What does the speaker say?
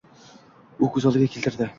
U ko‘z oldiga keltirdi.